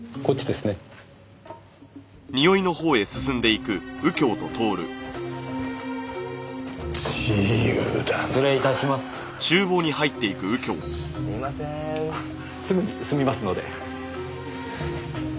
すぐに済みますので。